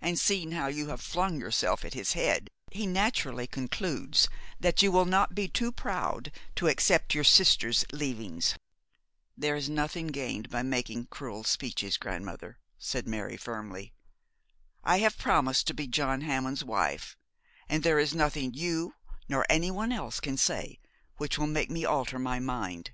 And seeing how you have flung yourself at his head, he naturally concludes that you will not be too proud to accept your sister's leavings.' 'There is nothing gained by making cruel speeches, grandmother,' said Mary, firmly. 'I have promised to be John Hammond's wife, and there is nothing you nor anyone else can say which will make me alter my mind.